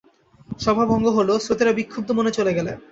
সভা ভঙ্গ হল, শ্রোতারা বিক্ষুব্ধ মনে চলে গেলেন।